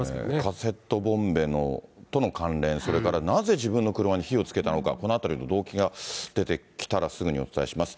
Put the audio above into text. カセットボンベとの関連、それからなぜ自分の車に火をつけたのか、このあたりの動機が出てきたら、すぐにお伝えします。